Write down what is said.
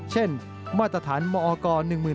เช่นมาตรฐานมก๑๘๐๐๑